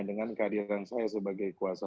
dengan kehadiran saya sebagai kuasa